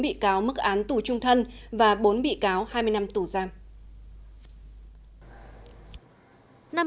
bốn bị cáo mức án tù trung thân và bốn bị cáo hai mươi năm tù giam